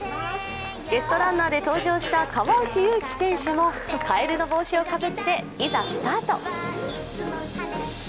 ゲストランナーで登場した川内優輝選手もかえるの帽子をかぶって、いざスタート。